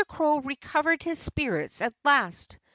Crow recovered his spirits at last.